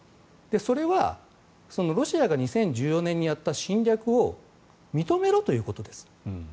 それはロシアが２０１４年にやった侵略を認めろということです。